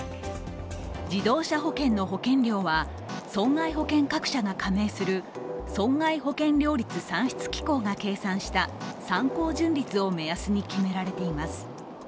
自動車保険の保険料は損害保険各社が加盟する損害保険料率算出機構が計算した参考純率を目安に決められています。